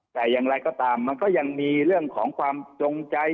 แต่อย่างไรก็ตามมันก็ยังมีเรื่องของความจงใจ